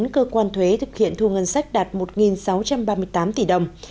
cơ quan thuế thực hiện thu ngân sách đạt một sáu trăm ba mươi tám tỷ đồng